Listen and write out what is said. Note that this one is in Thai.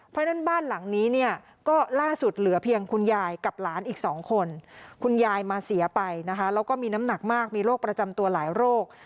เพราะฉะนั้นบ้านหลังนี้เนี่ยก็ล่าสุดเหลือเพียงคุณยายกับหลานอีก๒คนคุณยายมาเสียไปนะคะแล้วก็มีน้ำหนักมากมีโรคประจำตัวหลายโรค